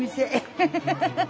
ハハハハハ。